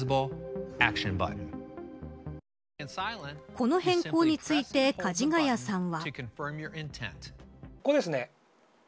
この変更についてかじがやさんは。